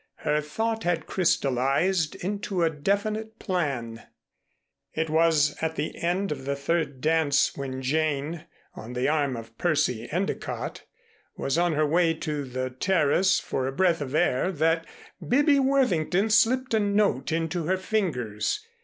Her thought had crystallized into a definite plan. It was at the end of the third dance when Jane, on the arm of Percy Endicott was on her way to the terrace for a breath of air, that Bibby Worthington slipped a note into her fingers.